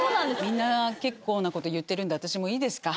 みんな結構なこと言ってるんで私もいいですか？